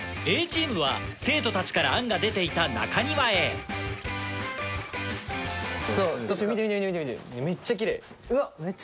Ａチームは生徒たちから案が出ていた中庭へ見て見て見て。